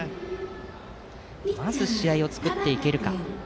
まず試合を作っていけるか。